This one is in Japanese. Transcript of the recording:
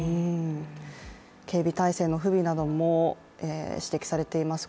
警備体制の不備なども指摘されています。